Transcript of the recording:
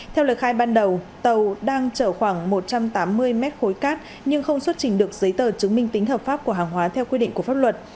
theo lời khai ban đầu tàu đang chở khoảng một trăm tám mươi mét khối cát nhưng không xuất trình được giấy tờ chứng minh tính hợp pháp của hàng hóa theo quy định của pháp luật